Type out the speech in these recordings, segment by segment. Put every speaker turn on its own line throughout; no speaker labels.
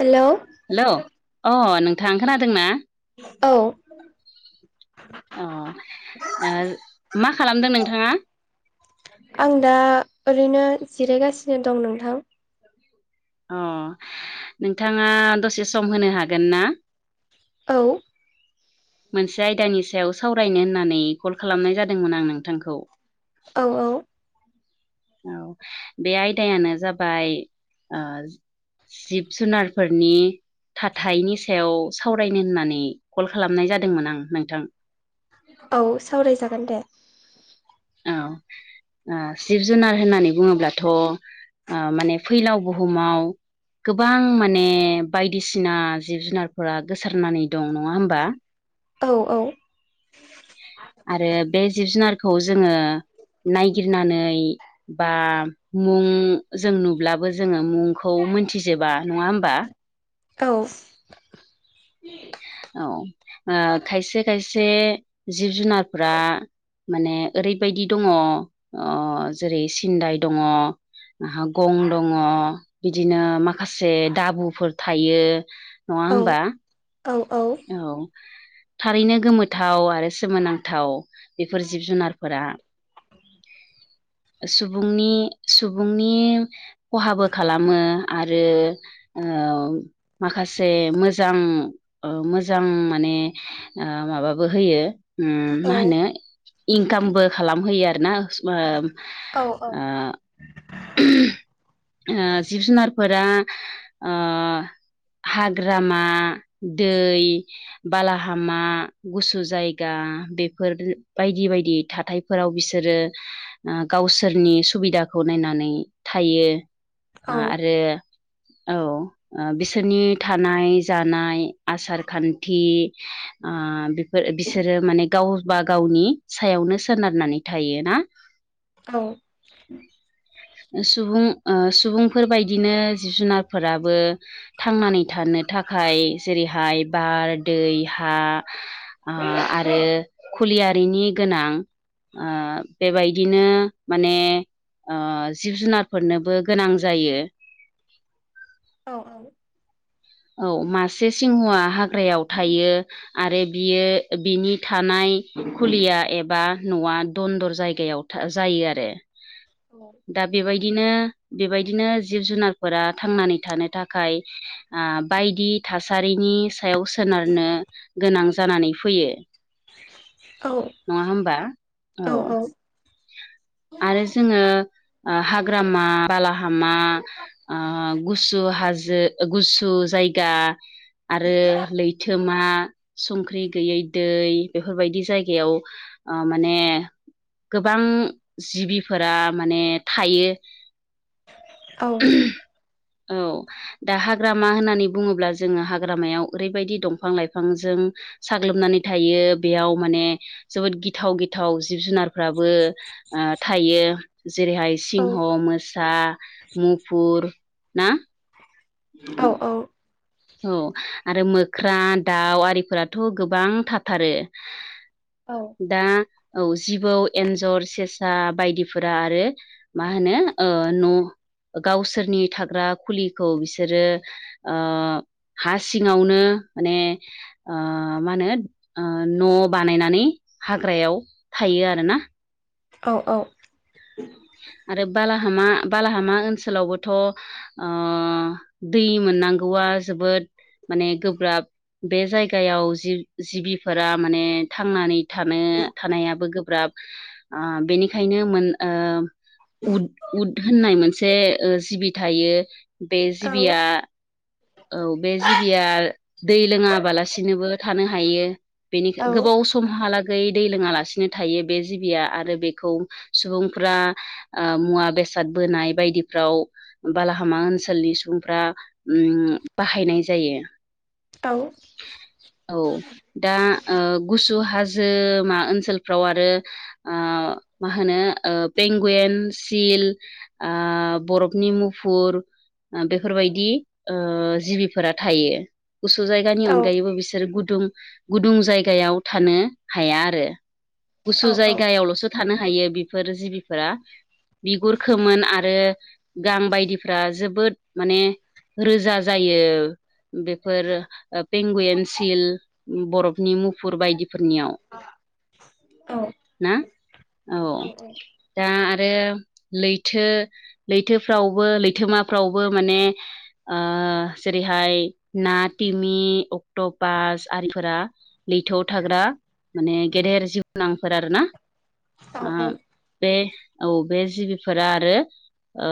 हेल'
हेल' अ नोंथाङा खोनादोंना
औ
मा खालामदों नोंथाङा
आं दा ओरैनो जिरायगासिनो दं नोंथां
अ नोंथाङा दसे सम होनो हागोन ना
औ
मोनसे आयदानि सायाव सावरायनो होननानै कल खालामनाय जादोंमोन आं नोंथांखौ
औ औ
औ बे आयदायानो जाबाय जिब जुनार फोरनि थाथायनि सायाव सावरायनो होननानै कल खालामनाय जादों जादोंमोन आं नोंथां
औ सावरायजागोन दे
औ जिब जुनार होननानै बुङोब्लाथ' माने फैलाव बुहुमाव गोबां माने बायदिसिना जिब जुनारफोरा गोसारनानै दं नङा होमबा
औ औ।
आरो बे जिब जुनारखौ जोङो नायगिरनानै बा मुं जों नुब्लाबो जोङो मुंखौ मोनथिजोबा नङा होमबा
औ।
औ खायसे खायसे जिब जुनारफोरा माने ओरैबायदि दङ जेरै सिन्दाय दङ। आहा गं दङ बिदिनो माखासे माखासे दाबुफोर थायो नङा
औ
होमबा।
औ औ।
औ थारैनो गोमोथाव आरो। सोमोनांथाव बेफोर जिब जुनारफोरा सुबुंनि सुबुंनि खहाबो खालामो आरो। माखासे मोजां। मोजां माने माबाबो होयो मा होनो। इनकामबो खालामहोयो आरो ना।
औ औ।
जिब जुनारफोरा हाग्रामा दै बालाहामा गुसु जायगा बेफोर बायदि बायदि थाइ फोराव बिसोरो गावसोरनि सुबिदाखौ नायनानै थायो आरो औ। बिसोरनि थानाय जानाय आसार खान्थि बिसोरो माने गावबा गावनि सायावनो सोनारनानै थायोना
औ।
सुबुं सुबुंफोरबायायदिनो जिब जुनारफोराबो थांनानै थानो थाखाय जेरैहाय बार दै हा। आरो खुलियारिनि गोनां। ओ बेबायदिनो माने ओ जिब - जुनारफोरनोबो गोनां जायो।
औ औ।
औ मासे सिंहआ हाग्रायाव थायो। आरो बियो बिनि थानाय खुलिया एबा न'आ दन्दर जायगायाव जायो आरो।
औ।
दा बेबायदिनो - बेबायदिनो जिब -जुनारफोरा थांनानै थानो थाखाय ओ बायदि थासारिनि सायाव सोनारनो गोनां जानानै फैयो। नङा होमबा? औ। आरो जोङो हाग्रामा, बालाहामा ओ गुसु हाजो गुसु जायगा आरो लैथोमा संख्रि गैयै दै बेफोरबायदि जायगायाव माने गोबां जिबिफोरा माने थायो। औ दा [unintelligible] हाग्रामा होननानै बुङोब्ला जोङो हाग्रामायाव ओरैबायदि दंफां- लाइफांजों साग्लोबनानै थायो बेयाव माने जोबोद गिथाव- गिथाव जिब -जुनार [unintelligible] थायो जेरैहाय सिंह, मोसा मुफुर ना?
औ -औ।
औ, आरो मोख्रा, दाउ आरिफोराथ' गोबां थाथारो।
औ।
दा औ जिबौ, एन्जर, सेसा बायदिफोरा आरो मा होनो न' गावसोरनि थाग्रा खुलिखौ बिसोरो ओ हा सिङावनो माने ओ मा होनो ओ न' बानायनानै हाग्रायाव थायो आरोना।
औ -औ।
आरो बालाहामा -बालाहामा ओनसोलावबोथ' ओ दै मोननांगौआ जोबोद माने गोब्राब। बे जायगायाव जि जिबिफोरा माने थांनानै थानो थानायाबो गोब्राब ओ बेनिखायनो मोन‌ ओ उद- उद होननाय मोनसे जिबि थायो। बे जिबिया औ, बे जिबिया दै लोङाबालासिनोबो थानो हायो। बेनिखायनो गोबाव सम समहालागै दै लोङालासिनो थायो बे जिबिया आरो बेखौ सुबुंफ्रा ओ मुवा बेसाद बोनाय बायदिफ्राव बालाहामा ओनसोलनि सुबुंफ्रा ओम बाहायनाय जायो।
दाउ
औ, दा ओ गुसु हाजोमा ओनसोलफ्राव आरो ओ मा होनो पेंगुवेन, सिल ओ बरफनि मुफुर बेफोरबायदि ओ जिबिफोरा थायो गुसु जायगानि अनगायैबो बिसोर गुदुं गुदुं जायगायाव थानो हाया आरो गुसु जायगायावल'सो थानो हायो बेफोर जिबिफोरा। बिगुरखोमोन आरो गां बायदिफ्रा जोबोद माने रोजा जायो बेफोर पेंगुयेन, सिल बरफनि मुफुर बायदिफोरनियाव ना औ दा आरो लैथो लैथोफ्रावबो लैथोमाफ्रावबो माने ओ जेरैहाय ना टिमि अक्ट'पास आरिफोरा लैथोआव थाग्रा माने गेदेर जिबनांफोर आरोना बे औ बे जिबिफोरा आरो ओ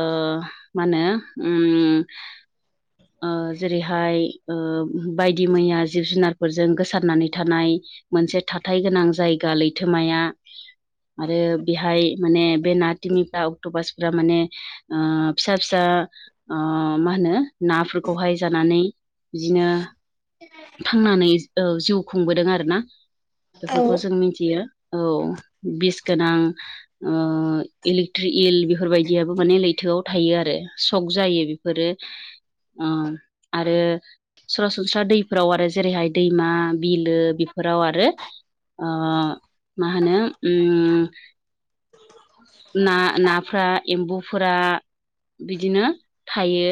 मा होनो उम ओ जेरैहाय ओ बायदि मैया जिब -जुनार [unintelligible] गोसारनानै थानाय मोनसे थाथाय गोनां जायगा लैथोमाया। आरो बेहाय माने बे ना टिमिफ्रा अक्ट'पासफ्रा माने ओ फिसा फिसा ओ मा होनो नाफोरखौहाय जानानै बिदिनो थांनानै ओ जौ खुंबोदों आरोना बेफोरखौ जों मिथियो औ बिस गोनां ओ इलिक ट्रि इल बेफोरबायदियाबो माने लैथोआव थायो आरो सक जायो बेफोरो अ आरो सरासनस्रा दैफोराव आरो जेरैहाय दैमा बिलो बेफोराव आरो ओ मा होनो उम ना नाफोरा एम्बुफोरा बिदिनो थायो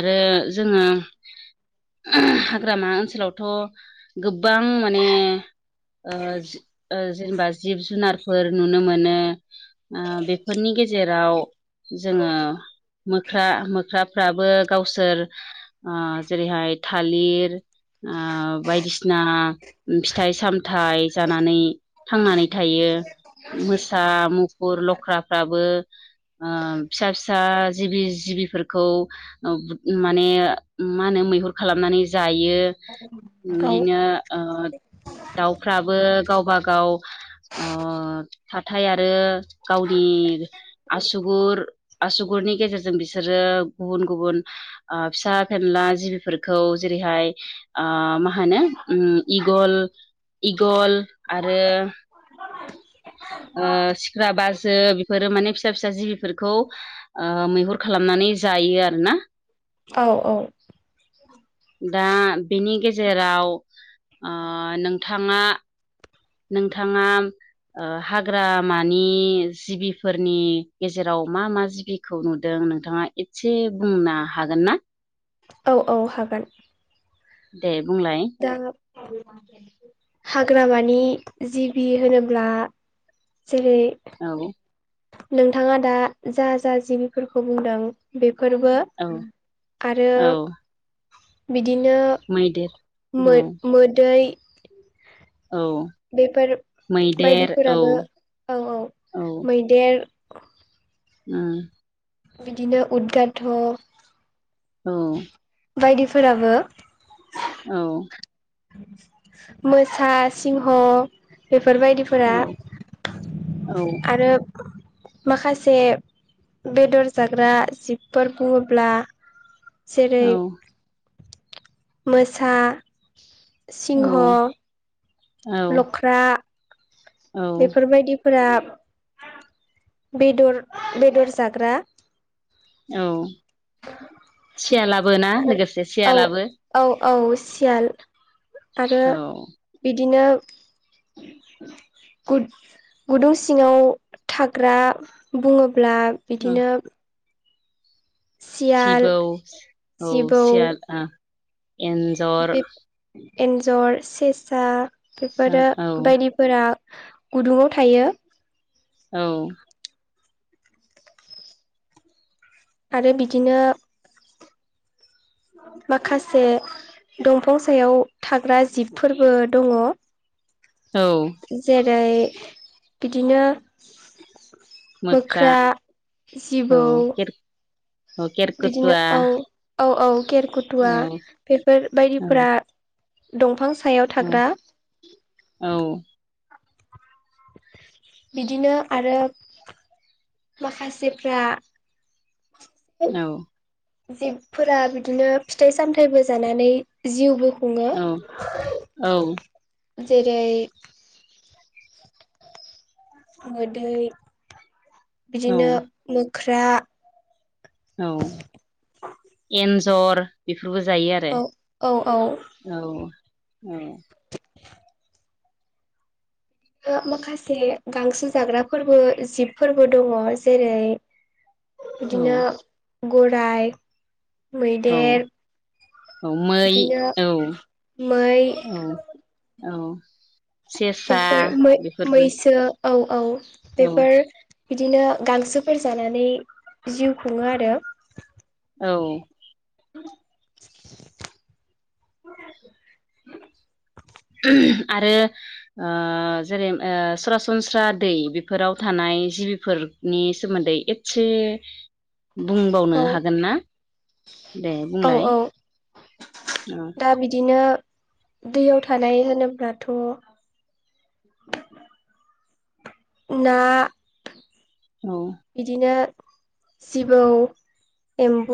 आरो जोङो हाग्रामा ओनसोलावथ' गोबां माने ओ जेनेबा जिब जुनारफोर नुनो मोनो ओ बेफोरनि गेजेराव जोङो मोख्रा मोख्राफ्राबो गावसोर ओ जेरैहाय थालिर ओ बायदिसिना फिथाइ सामथाइ जानानै थांनानै थायो मोसा मुफुर लख्राफ्राबो ओ फिसा फिसा जिबि जिबिफोरखौ माने मा होनो मैहुर खालामनानै जायो बिनो ओ दाउफ्राबो गावबागाव थाथाय आरो गावनि आसुगुर आसुगुरनि गेजेरजों बिसोरो गुबुन गुबुन फिसा फेनला जिबिफोरखौ जेरैहाय ओ मा होनो इगल इगल आरो ओ सिख्रा बाजो बेफोरो माने फिसा फिसा जिबिफोरखौ ओ मैहुर खालामनानै जायो आरोना
औ औ
दा बेनि गेजेराव ओ नोंथाङा नोंथाङा ओ हाग्रामानि जिबिफोरनि गेजेराव मा मा जिबि खौ नुदों नोंथाङा एदसे बुंनो हागोन ना
औ औ हागोन
दे बुंलाय
दा हाग्रामानि जिबि होनोब्ला जेरै
औ
नोंथाङा दा जा जा जिबिफोरखौ बुंदों बेफोरबो
औ
आरो
औ
बिदिनो
मैदेर औ
मो मोदै
औ
बेफोर
मैदेर औ
बायदिफोराबो औ औ मैदेर
उ
बिदिनो उदगााथ'
औ
बायदिफोराबो
औ
मोसा सिंह बेफोरबायदि फोरा
औ औ
आरो माखासे बेदर जाग्रा जिबफोर बुङोब्ला जेरै मोसा
औ
सिंह
औ
लख्रा
औ
बेफोरबायदि फोरा बेदर बेदर जाग्रा
औ सियालाबो ना
आरो
लोगोसे
औ
सियालाबो
औ औ सियाल आरो
औ
बिदिनो गुदुं सिङाव थाग्रा बुङोब्ला
ओ
बिदिनो सियाल
सिबौ औ
जिबौ
सियाल एन्जर
बे एन्जर सेसा बेफोरो
औ
बायदि फोर गुदुङाव थायो
औ
आरो बिदिनो माखासे दंफां सायाव थाग्रा जिबफोरबो दङ
औ
जेरै बिदिनो मोख्रा
औ
जिबौ
केर औ
बिदिनो
केरकुटुवा
औ औ औ
औ
गेरखुथुवा बेफोर
औ
बायदिफोरा दंफां सायाव
औ
थाग्रा
औ
बिदिनो आरो माखासेफ्रा
औ
जिबफोरा बिदिनो फिथाइ सामथायाइबो जानानै जिउबो खुङो
औ औ
जेरै मोदै
औ
बिदिनो मोख्रा
औ एन्जर बेफोरबो जायो आरो
औ औ औ
औ औ
[inaudible] माखासे गांसो जाग्रा फोरबो जिब फोरबो दङ जेरै
औ
बिदिनो गराय
औ
मैदेर
औ मै
बिदिनो
औ
मै
औ औ सेसा
बेफोर
बेफोरबो
मैसो औ औ
औ
बेफोर बिदिनो गांसोफोर जानानै जिउ खुङो आरो
औ
[inaudible]
आरो ओ जेरै ओ सरासनस्रा दै बेफोराव थानाय जिबिफोर नि सोमोन्दै एदसे बुंबावनो
औ
हागोन ना? दे
औ
बुंलाय
औ
अ
दा बिदिनो दैयाव थानाय होनोब्लाथ' ना
औ
बिदिनो जिबौ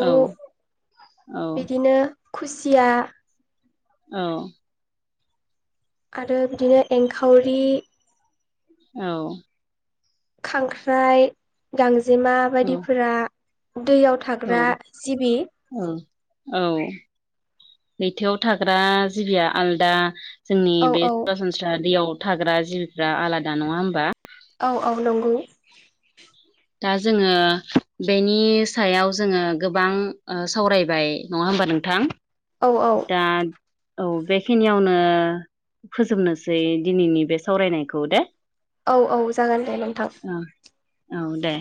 औ औ
बिदिनो खुसिया
औ।
आरो बिदिनो एंखावरि
औ।
खांख्राइ गांजेमा
औ
बायदिफोरा दैयाव
औ
थाग्रा जिबि
औ औ लैथोआव थाग्रा जिबिया आलदा जोंनि
औ
बे
औ
सरासनस्रा दैयाव थाग्रा जिबिफ्रा आलादा नङा होमबा
औ औ नंगौ।
दा जोङो बेनि सायाव जोङो गोबां ओ सावरायबाय। नङा होमबा नोंथां?
औ औ
दा औ बेखिनियावनो फोजोबनोसै दिनैनि बे सावरायनायखौ दे।
औ औ जागोन दे नोंथां।
औ औ दे।